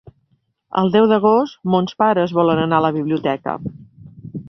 El deu d'agost mons pares volen anar a la biblioteca.